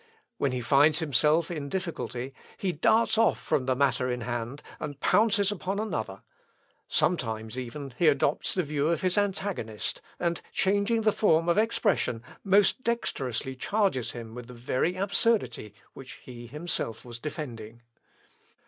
When he finds himself in a difficulty he darts off from the matter in hand, and pounces upon another; sometimes, even, he adopts the view of his antagonist, and changing the form of expression, most dexterously charges him with the very absurdity which he himself was defending."